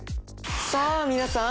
さあ皆さん